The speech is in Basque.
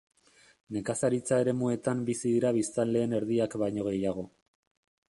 Nekazaritza-eremuetan bizi dira biztanleen erdiak baino gehiago.